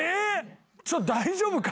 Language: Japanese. ちょっと大丈夫か？